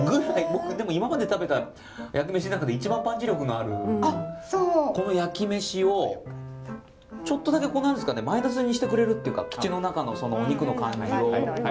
今まで食べた焼き飯の中で一番パンチ力のあるこの焼き飯をちょっとだけマイナスにしてくれるっていうか口の中のお肉の感じを。